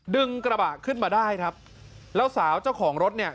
ดึงกระบะขึ้นมาได้ครับแล้วสาวเจ้าของรถเนี่ย